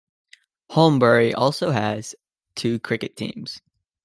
Holmbury also has two cricket teams.